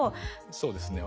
そうですね